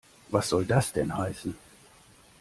Was soll das denn heißen?